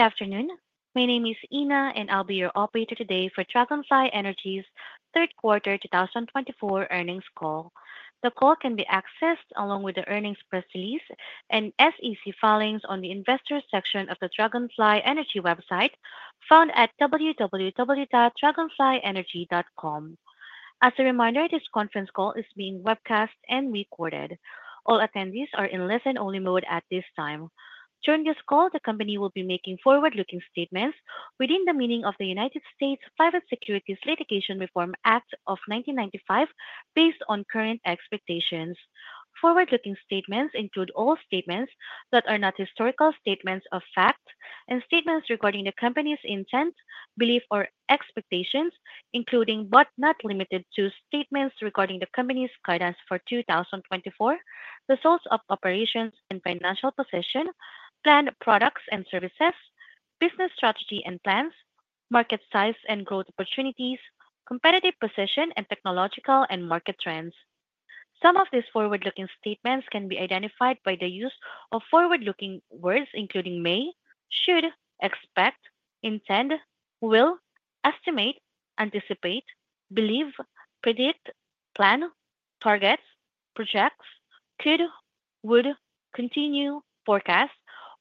Good afternoon. My name is Ina, and I'll be your operator today for Dragonfly Energy's Q3 2024 earnings call. The call can be accessed along with the earnings press release and SEC filings on the investor section of the Dragonfly Energy website, found at www.dragonflyenergy.com. As a reminder, this conference call is being webcast and recorded. All attendees are in listen-only mode at this time. During this call, the company will be making forward-looking statements within the meaning of the United States Private Securities Litigation Reform Act of 1995, based on current expectations. Forward-looking statements include all statements that are not historical statements of fact, and statements regarding the company's intent, belief, or expectations, including, but not limited to, statements regarding the company's guidance for 2024, results of operations and financial position, planned products and services, business strategy and plans, market size and growth opportunities, competitive position, and technological and market trends. Some of these forward-looking statements can be identified by the use of forward-looking words including may, should, expect, intend, will, estimate, anticipate, believe, predict, plan, targets, projects, could, would, continue, forecast,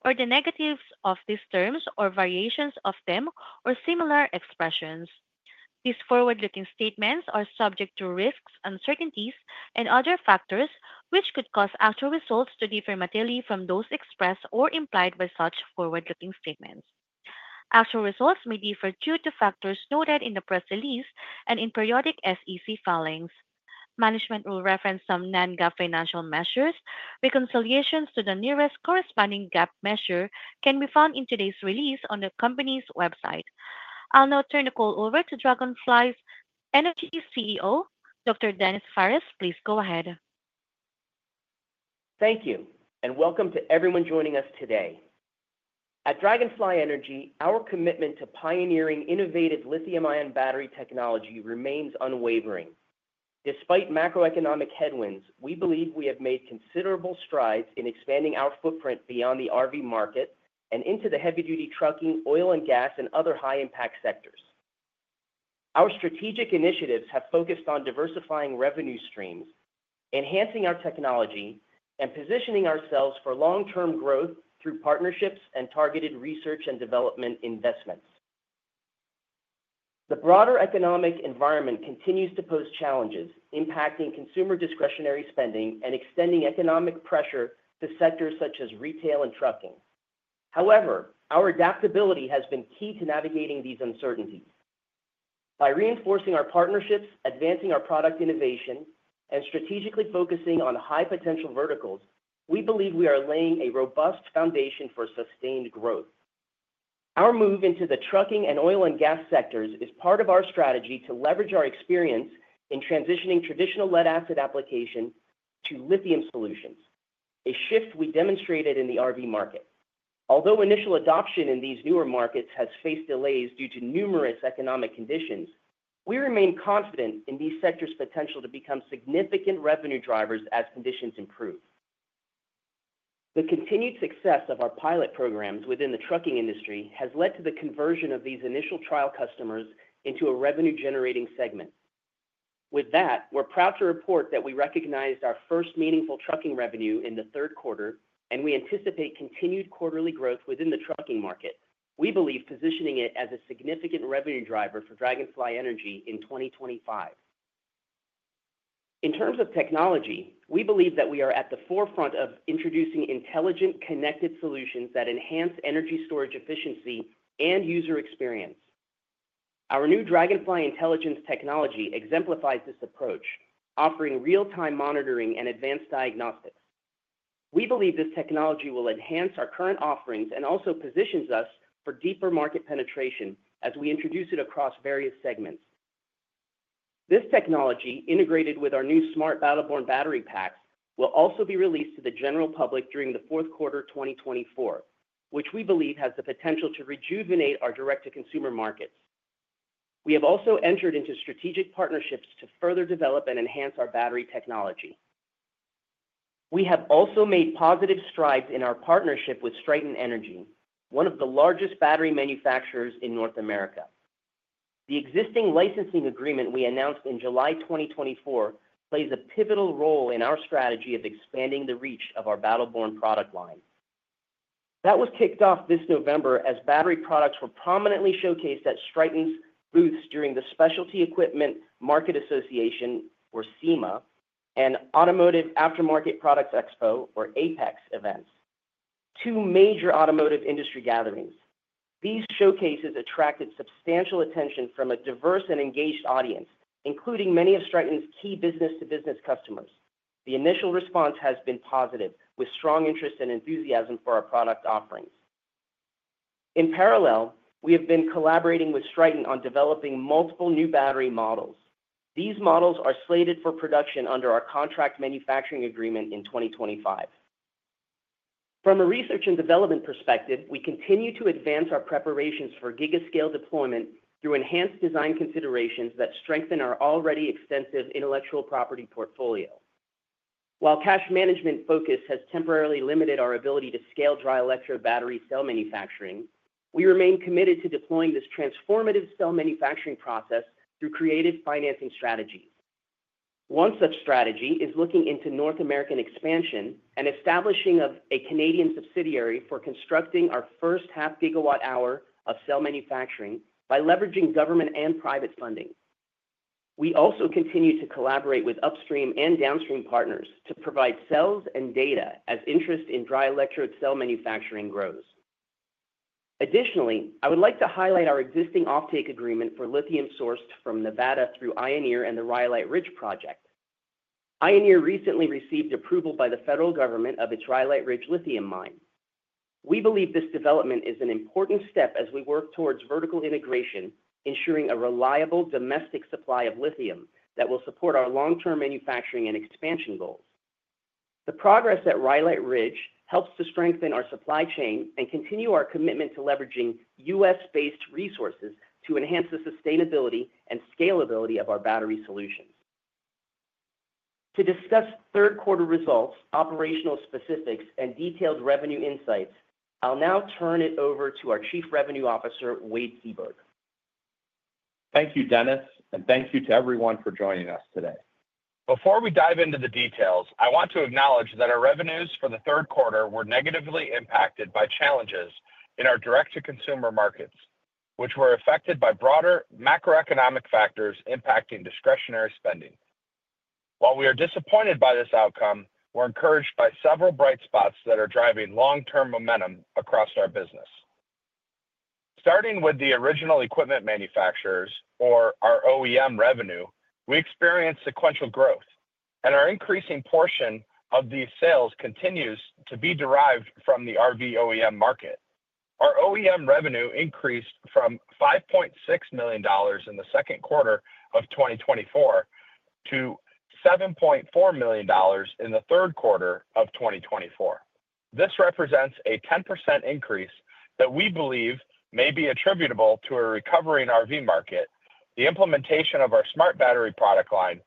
or the negatives of these terms or variations of them or similar expressions. These forward-looking statements are subject to risks, uncertainties, and other factors which could cause actual results to differ materially from those expressed or implied by such forward-looking statements. Actual results may differ due to factors noted in the press release and in periodic SEC filings. Management will reference some non-GAAP financial measures. Reconciliations to the nearest corresponding GAAP measure can be found in today's release on the company's website. I'll now turn the call over to Dragonfly Energy's CEO, Dr. Denis Phares. Please go ahead. Thank you, and welcome to everyone joining us today. At Dragonfly Energy, our commitment to pioneering innovative lithium-ion battery technology remains unwavering. Despite macroeconomic headwinds, we believe we have made considerable strides in expanding our footprint beyond the RV market and into the heavy-duty trucking, oil and gas, and other high-impact sectors. Our strategic initiatives have focused on diversifying revenue streams, enhancing our technology, and positioning ourselves for long-term growth through partnerships and targeted research and development investments. The broader economic environment continues to pose challenges, impacting consumer discretionary spending and extending economic pressure to sectors such as retail and trucking. However, our adaptability has been key to navigating these uncertainties. By reinforcing our partnerships, advancing our product innovation, and strategically focusing on high-potential verticals, we believe we are laying a robust foundation for sustained growth. Our move into the trucking and oil and gas sectors is part of our strategy to leverage our experience in transitioning traditional lead-acid application to lithium solutions, a shift we demonstrated in the RV market. Although initial adoption in these newer markets has faced delays due to numerous economic conditions, we remain confident in these sectors' potential to become significant revenue drivers as conditions improve. The continued success of our pilot programs within the trucking industry has led to the conversion of these initial trial customers into a revenue-generating segment. With that, we're proud to report that we recognized our first meaningful trucking revenue in the Q3, and we anticipate continued quarterly growth within the trucking market. We believe positioning it as a significant revenue driver for Dragonfly Energy in 2025. In terms of technology, we believe that we are at the forefront of introducing intelligent connected solutions that enhance energy storage efficiency and user experience. Our new Dragonfly Intelligence technology exemplifies this approach, offering real-time monitoring and advanced diagnostics. We believe this technology will enhance our current offerings and also positions us for deeper market penetration as we introduce it across various segments. This technology, integrated with our new smart Battle Born battery packs, will also be released to the general public during the Q4 2024, which we believe has the potential to rejuvenate our direct-to-consumer markets. We have also entered into strategic partnerships to further develop and enhance our battery technology. We have also made positive strides in our partnership with Stryten Energy, one of the largest battery manufacturers in North America. The existing licensing agreement we announced in July 2024 plays a pivotal role in our strategy of expanding the reach of our Battle Born product line. That was kicked off this November as battery products were prominently showcased at Stryten's booths during the Specialty Equipment Market Association, or SEMA, and Automotive Aftermarket Products Expo, or AAPEX, events, two major automotive industry gatherings. These showcases attracted substantial attention from a diverse and engaged audience, including many of Stryten's key business-to-business customers. The initial response has been positive, with strong interest and enthusiasm for our product offerings. In parallel, we have been collaborating with Stryten on developing multiple new battery models. These models are slated for production under our contract manufacturing agreement in 2025. From a research and development perspective, we continue to advance our preparations for gigascale deployment through enhanced design considerations that strengthen our already extensive intellectual property portfolio. While cash management focus has temporarily limited our ability to scale dry-electrode battery cell manufacturing, we remain committed to deploying this transformative cell manufacturing process through creative financing strategies. One such strategy is looking into North American expansion and establishing a Canadian subsidiary for constructing our first 0.5-gigawatt-hour of cell manufacturing by leveraging government and private funding. We also continue to collaborate with upstream and downstream partners to provide cells and data as interest in dry-electrode cell manufacturing grows. Additionally, I would like to highlight our existing offtake agreement for lithium sourced from Nevada through ioneer and the Rhyolite Ridge project. Ioneer recently received approval by the federal government of its Rhyolite Ridge lithium mine. We believe this development is an important step as we work towards vertical integration, ensuring a reliable domestic supply of lithium that will support our long-term manufacturing and expansion goals. The progress at Rhyolite Ridge helps to strengthen our supply chain and continue our commitment to leveraging U.S.-based resources to enhance the sustainability and scalability of our battery solutions. To discuss third-quarter results, operational specifics, and detailed revenue insights, I'll now turn it over to our Chief Revenue Officer, Wade Seaburg. Thank you, Denis, and thank you to everyone for joining us today. Before we dive into the details, I want to acknowledge that our revenues for the Q3 were negatively impacted by challenges in our direct-to-consumer markets, which were affected by broader macroeconomic factors impacting discretionary spending. While we are disappointed by this outcome, we're encouraged by several bright spots that are driving long-term momentum across our business. Starting with the original equipment manufacturers, or our OEM revenue, we experienced sequential growth, and our increasing portion of these sales continues to be derived from the RV OEM market. Our OEM revenue increased from $5.6 million in the Q2 of 2024 to $7.4 million in the Q3 of 2024. This represents a 10% increase that we believe may be attributable to a recovering RV market, the implementation of our smart battery product line,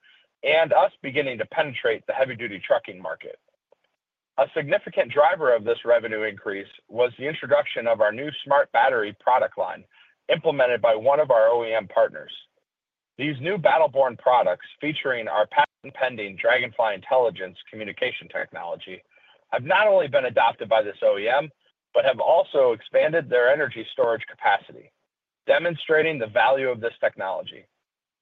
and us beginning to penetrate the heavy-duty trucking market. A significant driver of this revenue increase was the introduction of our new smart battery product line implemented by one of our OEM partners. These new Battle Born products, featuring our patent-pending Dragonfly Intelligence communication technology, have not only been adopted by this OEM but have also expanded their energy storage capacity, demonstrating the value of this technology.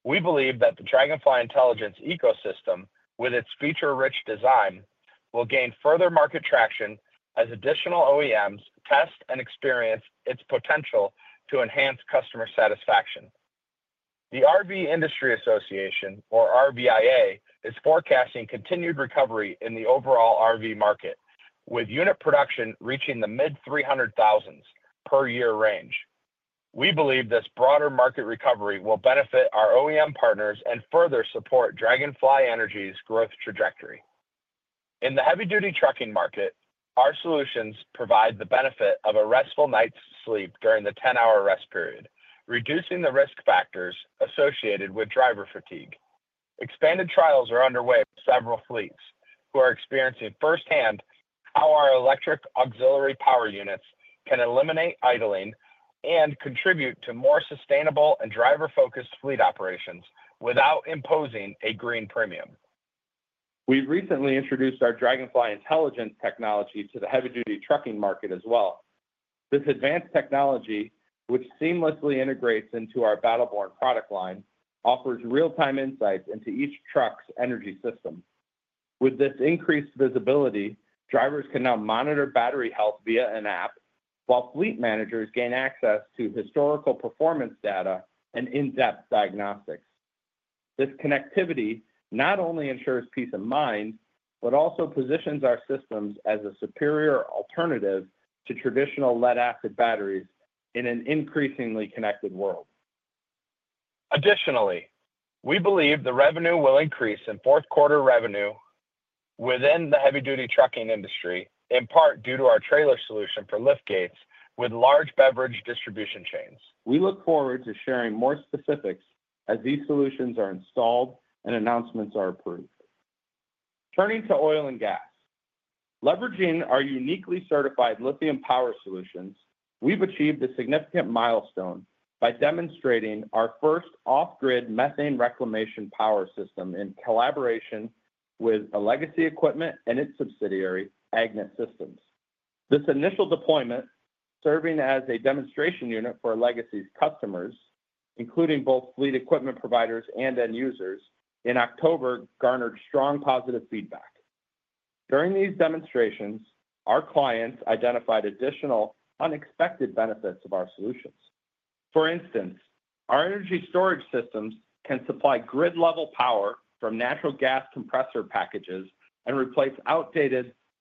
We believe that the Dragonfly Intelligence ecosystem, with its feature-rich design, will gain further market traction as additional OEMs test and experience its potential to enhance customer satisfaction. The RV Industry Association, or RVIA, is forecasting continued recovery in the overall RV market, with unit production reaching the mid-300,000s per year range. We believe this broader market recovery will benefit our OEM partners and further support Dragonfly Energy's growth trajectory. In the heavy-duty trucking market, our solutions provide the benefit of a restful night's sleep during the 10-hour rest period, reducing the risk factors associated with driver fatigue. Expanded trials are underway with several fleets who are experiencing firsthand how our electric auxiliary power units can eliminate idling and contribute to more sustainable and driver-focused fleet operations without imposing a green premium. We recently introduced our Dragonfly Intelligence technology to the heavy-duty trucking market as well. This advanced technology, which seamlessly integrates into our Battle Born product line, offers real-time insights into each truck's energy system. With this increased visibility, drivers can now monitor battery health via an app, while fleet managers gain access to historical performance data and in-depth diagnostics. This connectivity not only ensures peace of mind but also positions our systems as a superior alternative to traditional lead-acid batteries in an increasingly connected world. Additionally, we believe the revenue will increase in fourth-quarter revenue within the heavy-duty trucking industry, in part due to our trailer solution for liftgates with large beverage distribution chains. We look forward to sharing more specifics as these solutions are installed and announcements are approved. Turning to oil and gas, leveraging our uniquely certified lithium power solutions, we've achieved a significant milestone by demonstrating our first off-grid methane reclamation power system in collaboration with Legacy Equipment and its subsidiary, Agnit Systems. This initial deployment, serving as a demonstration unit for Legacy's customers, including both fleet equipment providers and end users, in October garnered strong positive feedback. During these demonstrations, our clients identified additional unexpected benefits of our solutions. For instance, our energy storage systems can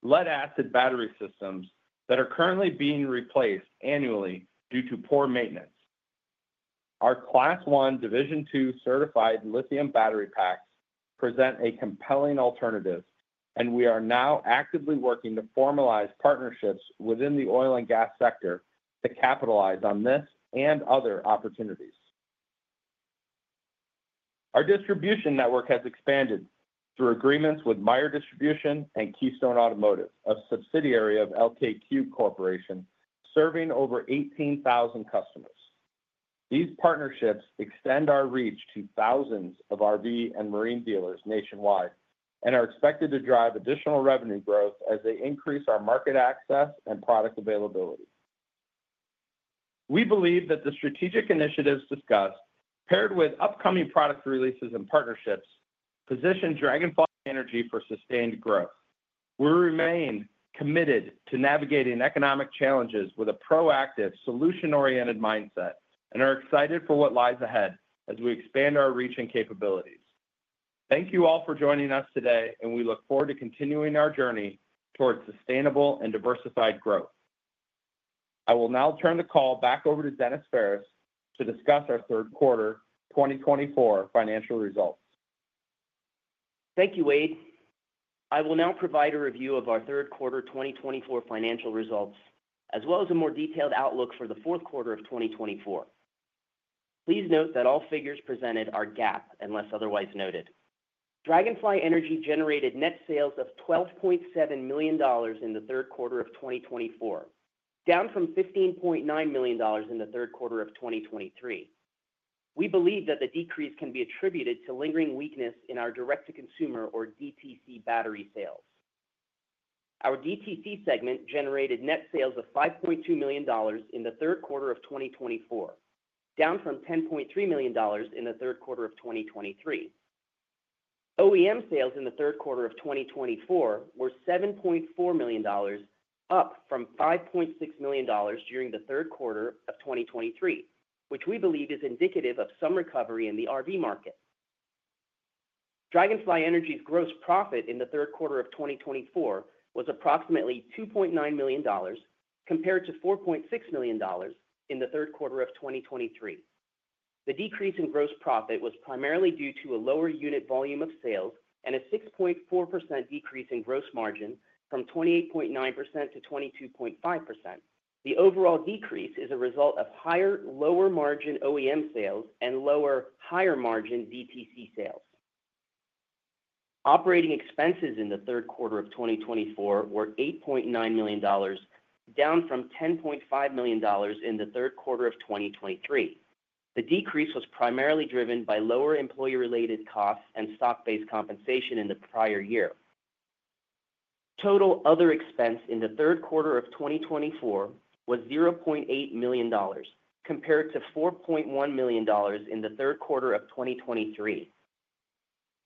supply grid-level power from natural gas compressor packages and replace outdated lead-acid battery systems that are currently being replaced annually due to poor maintenance. Our Class 1, Division 2 certified lithium battery packs present a compelling alternative, and we are now actively working to formalize partnerships within the oil and gas sector to capitalize on this and other opportunities. Our distribution network has expanded through agreements with Meyer Distributing and Keystone Automotive, a subsidiary of LKQ Corporation, serving over 18,000 customers. These partnerships extend our reach to thousands of RV and marine dealers nationwide and are expected to drive additional revenue growth as they increase our market access and product availability. We believe that the strategic initiatives discussed, paired with upcoming product releases and partnerships, position Dragonfly Energy for sustained growth. We remain committed to navigating economic challenges with a proactive, solution-oriented mindset and are excited for what lies ahead as we expand our reach and capabilities. Thank you all for joining us today, and we look forward to continuing our journey towards sustainable and diversified growth. I will now turn the call back over to Denis Phares to discuss our Q3 2024 financial results. Thank you, Wade. I will now provide a review of our Q3 2024 financial results, as well as a more detailed outlook for the Q4 of 2024. Please note that all figures presented are GAAP unless otherwise noted. Dragonfly Energy generated net sales of $12.7 million in the Q3 of 2024, down from $15.9 million in the Q3 of 2023. We believe that the decrease can be attributed to lingering weakness in our direct-to-consumer, or DTC, battery sales. Our DTC segment generated net sales of $5.2 million in the Q3 of 2024, down from $10.3 million in the Q3 of 2023. OEM sales in the Q3 of 2024 were $7.4 million, up from $5.6 million during the Q3 of 2023, which we believe is indicative of some recovery in the RV market. Dragonfly Energy's gross profit in the Q3 of 2024 was approximately $2.9 million, compared to $4.6 million in the Q3 of 2023. The decrease in gross profit was primarily due to a lower unit volume of sales and a 6.4% decrease in gross margin from 28.9% to 22.5%. The overall decrease is a result of higher, lower-margin OEM sales and lower, higher-margin DTC sales. Operating expenses in the Q3 of 2024 were $8.9 million, down from $10.5 million in the Q3 of 2023. The decrease was primarily driven by lower employee-related costs and stock-based compensation in the prior year. Total other expense in the Q3 of 2024 was $0.8 million, compared to $4.1 million in the Q3 of 2023.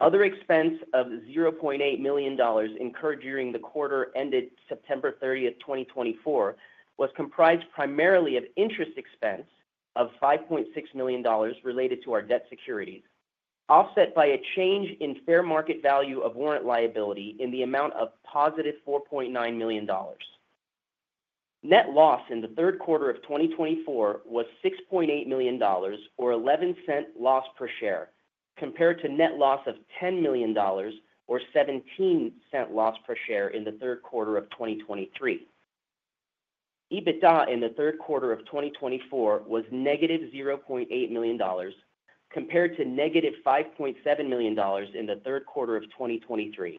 Other expense of $0.8 million incurred during the quarter ended September 30, 2024, was comprised primarily of interest expense of $5.6 million related to our debt securities, offset by a change in fair market value of warrant liability in the amount of positive $4.9 million. Net loss in the Q3 of 2024 was $6.8 million, or $0.11 loss per share, compared to net loss of $10 million, or $0.17 loss per share in the Q3 of 2023. EBITDA in the Q3 of 2024 was negative $0.8 million, compared to negative $5.7 million in the Q3 of 2023.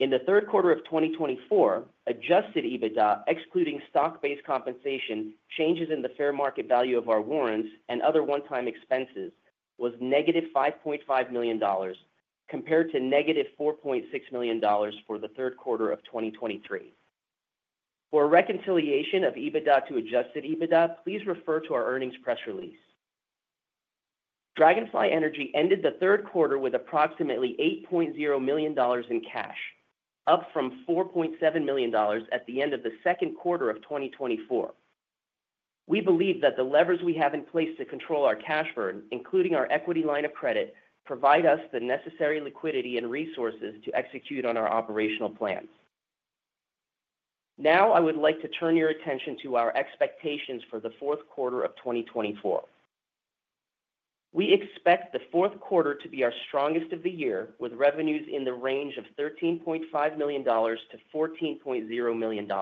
In the Q3 of 2024, adjusted EBITDA, excluding stock-based compensation, changes in the fair market value of our warrants, and other one-time expenses was negative $5.5 million, compared to negative $4.6 million for the Q3 of 2023. For a reconciliation of EBITDA to adjusted EBITDA, please refer to our earnings press release. Dragonfly Energy ended the Q3 with approximately $8.0 million in cash, up from $4.7 million at the end of the Q2 of 2024. We believe that the levers we have in place to control our cash burden, including our equity line of credit, provide us the necessary liquidity and resources to execute on our operational plans. Now, I would like to turn your attention to our expectations for the Q4 of 2024. We expect the Q4 to be our strongest of the year, with revenues in the range of $13.5 million-$14.0 million,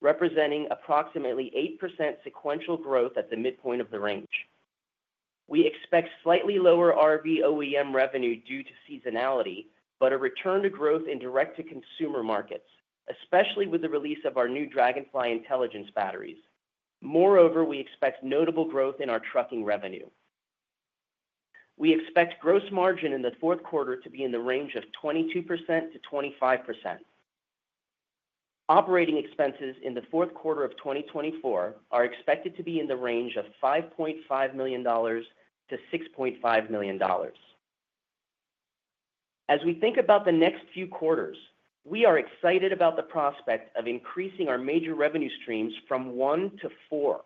representing approximately 8% sequential growth at the midpoint of the range. We expect slightly lower RV OEM revenue due to seasonality but a return to growth in direct-to-consumer markets, especially with the release of our new Dragonfly Intelligence batteries. Moreover, we expect notable growth in our trucking revenue. We expect gross margin in the Q4 to be in the range of 22%-25%. Operating expenses in the Q4 of 2024 are expected to be in the range of $5.5 million-$6.5 million. As we think about the next few quarters, we are excited about the prospect of increasing our major revenue streams from one to four.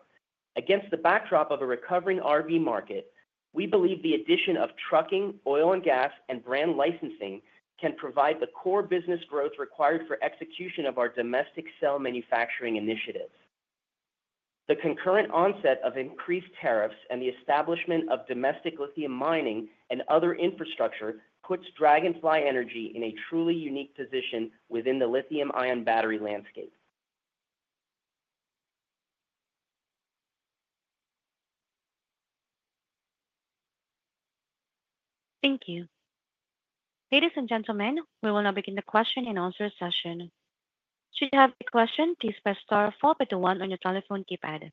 Against the backdrop of a recovering RV market, we believe the addition of trucking, oil and gas, and brand licensing can provide the core business growth required for execution of our domestic cell manufacturing initiatives. The concurrent onset of increased tariffs and the establishment of domestic lithium mining and other infrastructure puts Dragonfly Energy in a truly unique position within the lithium-ion battery landscape. Thank you. Ladies and gentlemen, we will now begin the question and answer session. Should you have a question, please press star followed by the one on your telephone keypad.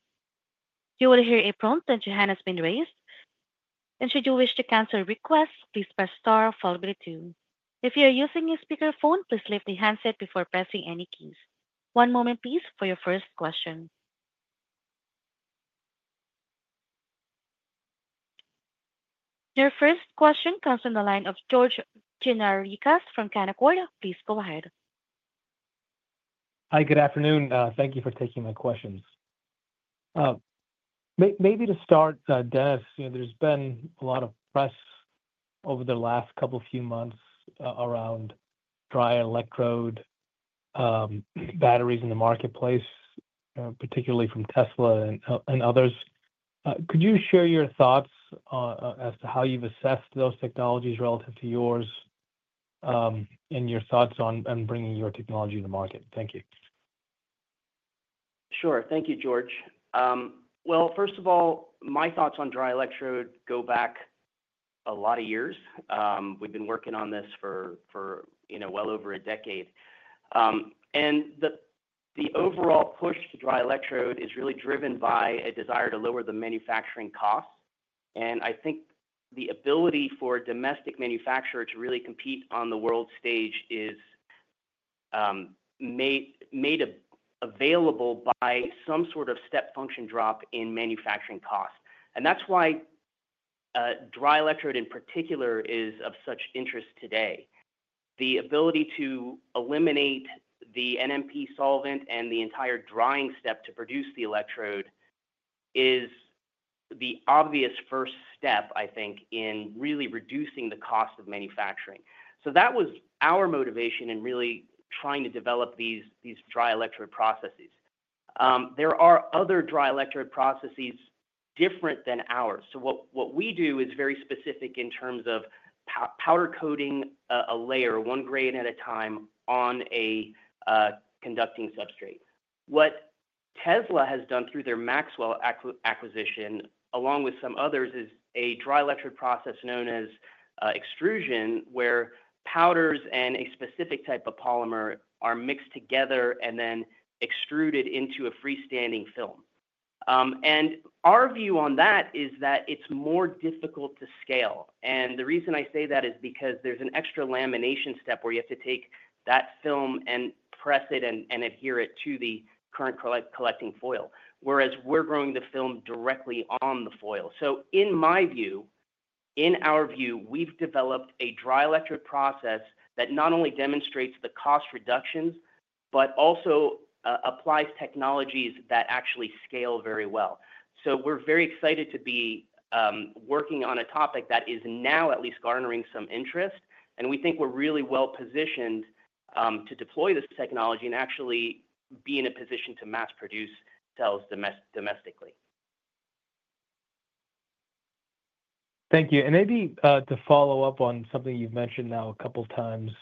You will hear a prompt that your hand has been raised. And should you wish to cancel a request, please press star followed by the two. If you are using a speakerphone, please lift the handset before pressing any keys. One moment, please, for your first question. Your first question comes from the line of George Gianarikas from Canaccord. Please go ahead. Hi, good afternoon. Thank you for taking my questions. Maybe to start, Denis, there's been a lot of press over the last couple of months around dry electrode batteries in the marketplace, particularly from Tesla and others. Could you share your thoughts as to how you've assessed those technologies relative to yours and your thoughts on bringing your technology to the market? Thank you. Sure. Thank you, George. Well, first of all, my thoughts on dry electrode go back a lot of years. We've been working on this for well over a decade. And the overall push to dry electrode is really driven by a desire to lower the manufacturing costs. And I think the ability for a domestic manufacturer to really compete on the world stage is made available by some sort of step function drop in manufacturing costs. And that's why dry electrode, in particular, is of such interest today. The ability to eliminate the NMP solvent and the entire drying step to produce the electrode is the obvious first step, I think, in really reducing the cost of manufacturing. So that was our motivation in really trying to develop these dry electrode processes. There are other dry electrode processes different than ours. So what we do is very specific in terms of powder coating a layer, one grade at a time, on a conducting substrate. What Tesla has done through their Maxwell acquisition, along with some others, is a dry electrode process known as extrusion, where powders and a specific type of polymer are mixed together and then extruded into a freestanding film. And our view on that is that it's more difficult to scale. And the reason I say that is because there's an extra lamination step where you have to take that film and press it and adhere it to the current collecting foil, whereas we're growing the film directly on the foil. So in my view, in our view, we've developed a dry electrode process that not only demonstrates the cost reductions but also applies technologies that actually scale very well. We're very excited to be working on a topic that is now at least garnering some interest. We think we're really well positioned to deploy this technology and actually be in a position to mass produce cells domestically. Thank you, and maybe to follow up on something you've mentioned now a couple of times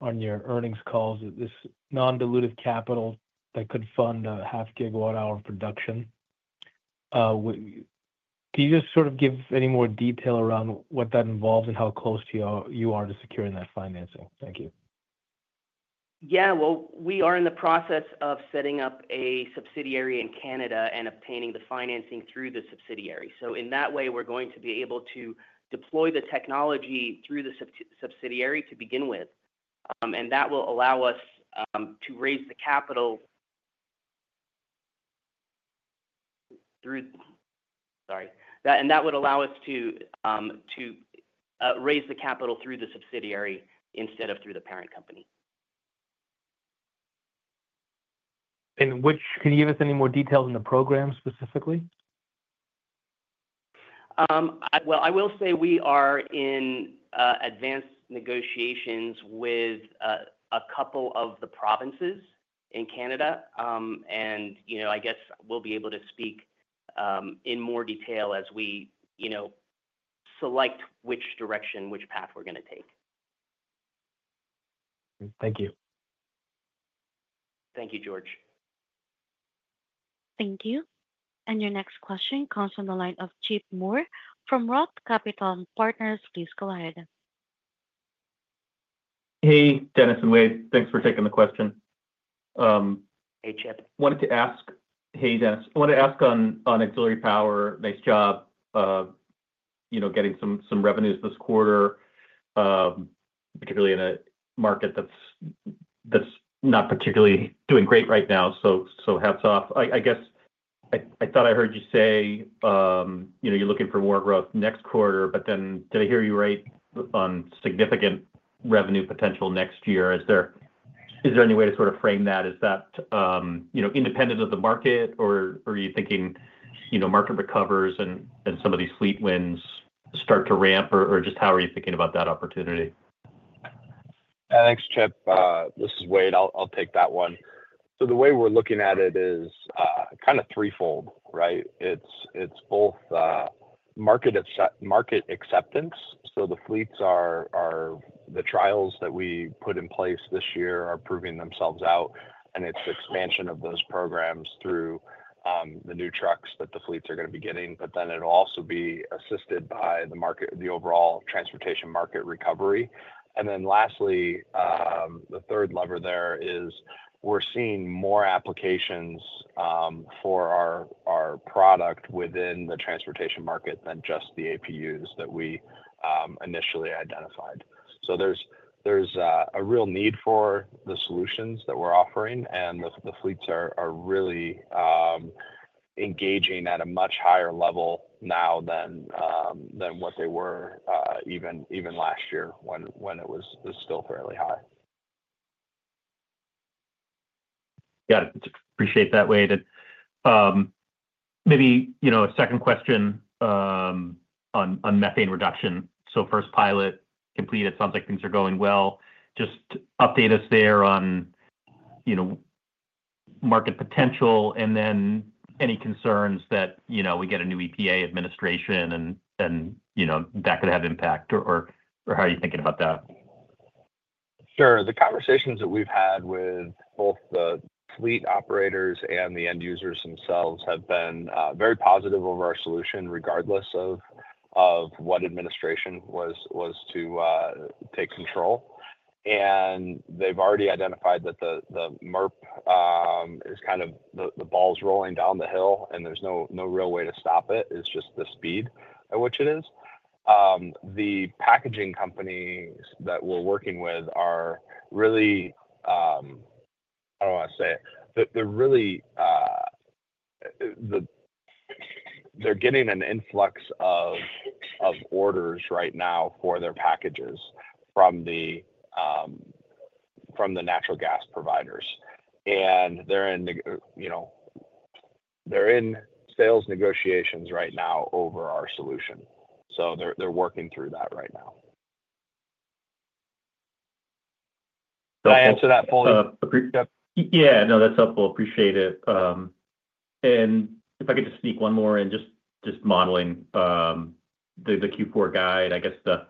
on your earnings calls, this non-dilutive capital that could fund a 0.5 gigawatt-hour production. Can you just sort of give any more detail around what that involves and how close you are to securing that financing? Thank you. Yeah. Well, we are in the process of setting up a subsidiary in Canada and obtaining the financing through the subsidiary. So in that way, we're going to be able to deploy the technology through the subsidiary to begin with. And that will allow us to raise the capital through, sorry. And that would allow us to raise the capital through the subsidiary instead of through the parent company. Can you give us any more details on the program specifically? I will say we are in advanced negotiations with a couple of the provinces in Canada. I guess we'll be able to speak in more detail as we select which direction, which path we're going to take. Thank you. Thank you, George. Thank you. And your next question comes from the line of Chip Moore from Roth Capital Partners. Please go ahead. Hey, Denis and Wade. Thanks for taking the question. Hey, Chip. Wanted to ask, hey, Denis, I wanted to ask on auxiliary power, nice job getting some revenues this quarter, particularly in a market that's not particularly doing great right now. So hats off. I guess I thought I heard you say you're looking for more growth next quarter, but then did I hear you right on significant revenue potential next year? Is there any way to sort of frame that? Is that independent of the market, or are you thinking market recovers and some of these fleet wins start to ramp, or just how are you thinking about that opportunity? Thanks, Chip. This is Wade. I'll take that one. So the way we're looking at it is kind of threefold, right? It's both market acceptance. So the fleets, the trials that we put in place this year are proving themselves out, and it's the expansion of those programs through the new trucks that the fleets are going to be getting. But then it'll also be assisted by the overall transportation market recovery. And then lastly, the third lever there is we're seeing more applications for our product within the transportation market than just the APUs that we initially identified. So there's a real need for the solutions that we're offering, and the fleets are really engaging at a much higher level now than what they were even last year when it was still fairly high. Yeah. Appreciate that, Wade. Maybe a second question on methane reduction. So first pilot complete. It sounds like things are going well. Just update us there on market potential and then any concerns that we get a new EPA administration, and that could have impact, or how are you thinking about that? Sure. The conversations that we've had with both the fleet operators and the end users themselves have been very positive over our solution, regardless of what administration was to take control. And they've already identified that the MERP is kind of the ball's rolling down the hill, and there's no real way to stop it. It's just the speed at which it is. The packaging companies that we're working with are really, I don't want to say it, they're getting an influx of orders right now for their packages from the natural gas providers. And they're in sales negotiations right now over our solution. So they're working through that right now. Can I answer that fully? Yeah. No, that's helpful. Appreciate it. And if I could just sneak one more in, just modeling the Q4 guide, I guess the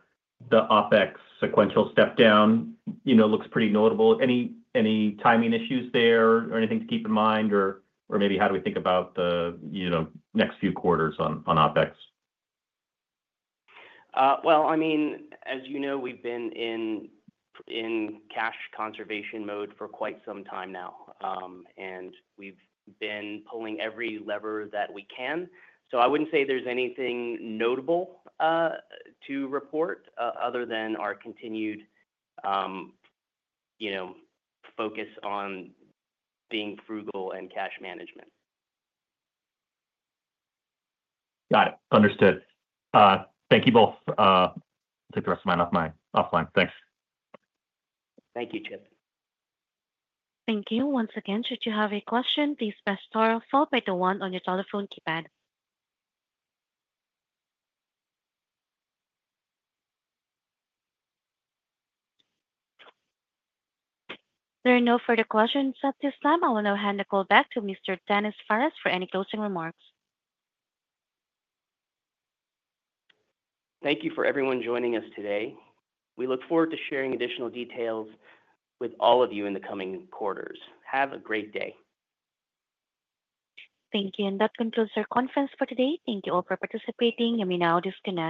OpEx sequential step-down looks pretty notable. Any timing issues there or anything to keep in mind, or maybe how do we think about the next few quarters on OpEx? Well, I mean, as you know, we've been in cash conservation mode for quite some time now, and we've been pulling every lever that we can. So I wouldn't say there's anything notable to report other than our continued focus on being frugal in cash management. Got it. Understood. Thank you both. I'll take the rest of mine offline. Thanks. Thank you, Chip. Thank you. Once again, should you have a question, please press star followed by the one on your telephone keypad. There are no further questions at this time. I will now hand the call back to Mr. Denis Phares for any closing remarks. Thank you for everyone joining us today. We look forward to sharing additional details with all of you in the coming quarters. Have a great day. Thank you. And that concludes our conference for today. Thank you all for participating. You may now disconnect.